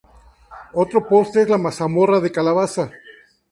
Otro postre es la mazamorra de calabaza.